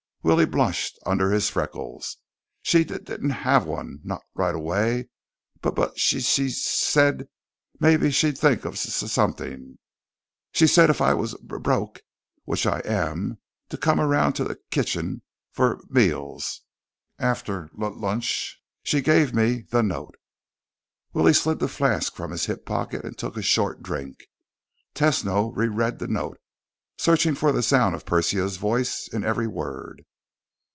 Willie blushed under his freckles. "She d didn't have one, not right away, b but she s said maybe she'd think of s something. She s said if I was b broke, which I am, to come around to the k kitchen for m meals. After l lunch she g gave me that n note." Willie slid the flask from his hip pocket and took a short drink. Tesno re read the note, searching for the sound of Persia's voice in every word.